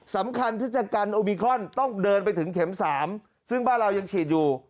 สำคัญที่จะกันโอมิครอนต้องเดินไปถึงเข็ม๓ซึ่งบ้านเรายังฉีดอยู่